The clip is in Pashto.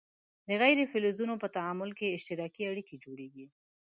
د غیر فلزونو په تعامل کې اشتراکي اړیکې جوړیږي.